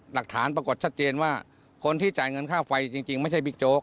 หลักฐานปรากฏชัดเจนว่าคนที่จ่ายเงินค่าไฟจริงไม่ใช่บิ๊กโจ๊ก